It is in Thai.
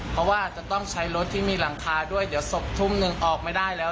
เพราะว่าจะต้องใช้รถที่มีหลังคาด้วยเดี๋ยวศพทุ่มหนึ่งออกไม่ได้แล้ว